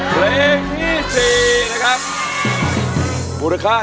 โทรใจโทรใจโทรใจโทรใจโทรใจโทรใจ